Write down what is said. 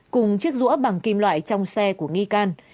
cùng chiếc rũa bằng kim loại trong xe của nghi can